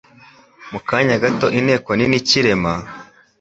mu kanya gato inteko nini ikirema,